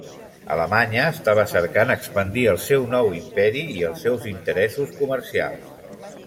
Alemanya estava cercant expandir el seu nou imperi i els seus interessos comercials.